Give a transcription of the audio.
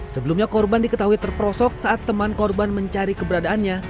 sebelumnya korban diketahui terperosok saat teman korban mencari keberadaannya